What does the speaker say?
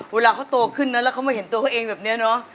เมื่อเขาโตขึ้นแล้วแล้วเขาไม่เห็นตัวเขาเองแบบเนี่ยเนอะ